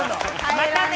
またね！